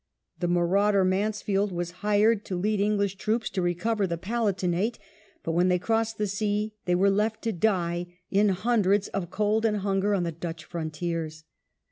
The marauder Mansfeld was hired to lead English troops to recover the Palatinate, but when they crossed the sea they were left to die in hundreds of cold and hunger on the Dutch frontiers.